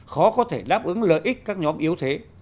khó có thể đáp ứng lợi ích các nhóm yếu thế